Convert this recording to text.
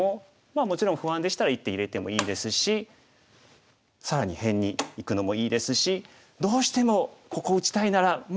まあもちろん不安でしたら一手入れてもいいですし更に辺にいくのもいいですしどうしてもここ打ちたいならもうちょっと広げてみましょうかね。